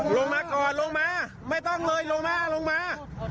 ลงมาก่อนลงมาไม่ต้องเลยลงมาลงมา